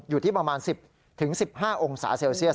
อยู่ที่ประมาณ๑๐๑๕องศาเซลเซียส